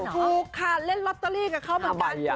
ถูกค่ะเล่นลอตเตอรี่กับเขาเหมือนกัน